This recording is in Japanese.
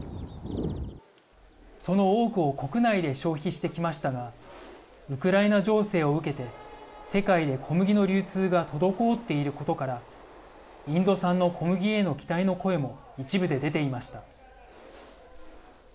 その多くを国内で消費してきましたがウクライナ情勢を受けて世界で小麦の流通が滞っていることからインド産の小麦への期待の声も一部で出ていました。